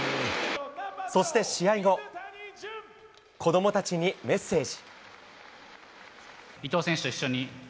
そして試合後子供たちにメッセージ。